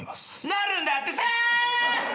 なるんだってさ。